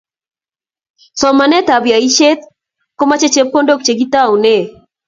Somanetab yoisiet komochei chepkondok che kitoune